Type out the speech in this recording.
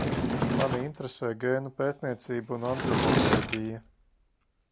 Mani interesē gēnu pētniecība un antropoloģija.